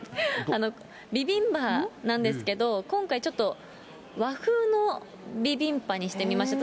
ビビンバなんですけど、今回、ちょっと、和風のビビンパにしてみました。